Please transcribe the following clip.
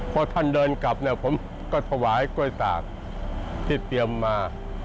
พอท่านเดินกลับเนี่ยผมก็ถวายกล้วยตากที่เตรียมมา